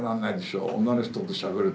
女の人としゃべる時。